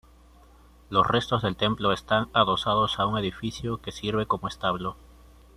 Los restos del templo están adosados a un edificio que sirve como establo.